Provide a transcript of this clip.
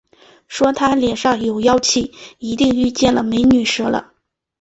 说他脸上有些妖气，一定遇见“美女蛇”了